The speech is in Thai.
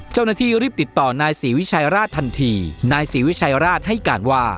เจ้าหน้าที่รีบติดต่อนายศรีวิชัยราชทันทีนายศรีวิชัยราชให้การว่า